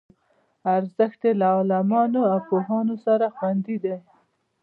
ارزښت یې له عالمانو او پوهانو سره خوندي دی.